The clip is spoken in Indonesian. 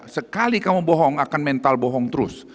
sekali kamu bohong akan mental bohong terus